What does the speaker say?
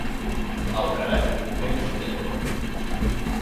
Ao carallo, quen son eu?